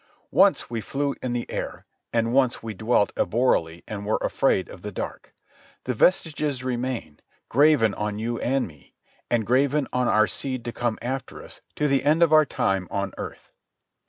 Once we flew in the air, and once we dwelt arboreally and were afraid of the dark. The vestiges remain, graven on you and me, and graven on our seed to come after us to the end of our time on earth.